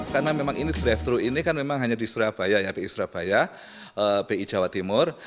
karena memang ini drive thru ini kan memang hanya di surabaya ya bi surabaya bi jawa timur